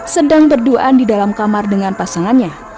sedang berduaan di dalam kamar dengan pasangannya